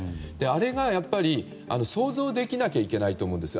あれが想像できなきゃいけないと思います。